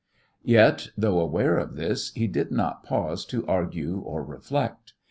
Yet, though aware of this, he did not pause to argue or reflect.